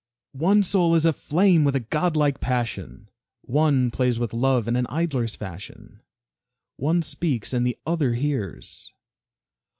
One soul is aflame with a godlike passion, One plays with love in an idler's fashion, One speaks and the other hears.